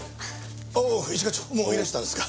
おお一課長もういらしたんですか。